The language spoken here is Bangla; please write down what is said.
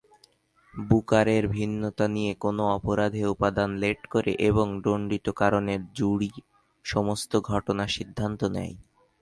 বুকার এর ভিন্নতা নিয়ে কোন অপরাধে উপাদান লেট করে এবং দণ্ডিত কারণের জুরি সমস্ত ঘটনা সিদ্ধান্ত নেয়।